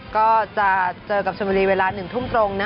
ก็จะเจอกับชมบุรีเวลา๑ทุ่มตรง